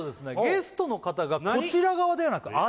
ゲストの方がこちら側ではなく何？